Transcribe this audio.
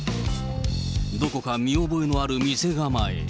どこか見覚えのある店構え。